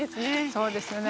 そうですね。